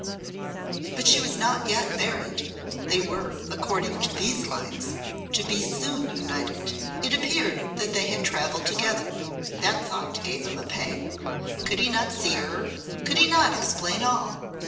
But she was not yet married. They were, according to these lines, to be soon united. It appeared they had travelled together; that thought gave him a pang. Could he not see her? Could he not explain all?